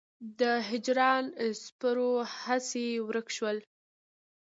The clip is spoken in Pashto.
د هجران سپرو هسې ورک شول.